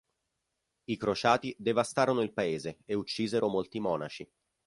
I crociati devastarono il paese e uccisero molti monaci.